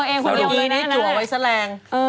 อันที่นี้จัวไว้แสดง